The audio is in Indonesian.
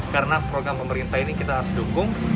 karena program pemerintah ini kita harus dukung